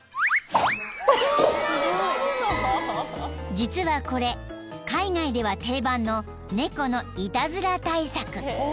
［実はこれ海外では定番の猫のいたずら対策］